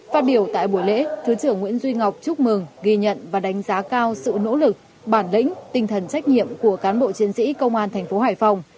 phát biểu tại buổi lễ thứ trưởng nguyễn duy ngọc chúc mừng ghi nhận và đánh giá cao sự nỗ lực bản lĩnh tinh thần trách nhiệm của cán bộ chiến sĩ công an thành phố hải phòng